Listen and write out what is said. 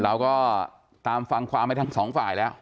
เราก็ตามฟังความไปทั้งสองฝ่ายแล้ว